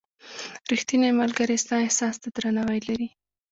• ریښتینی ملګری ستا احساس ته درناوی لري.